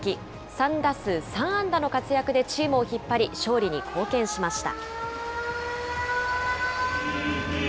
３打数３安打の活躍でチームを引っ張り、勝利に貢献しました。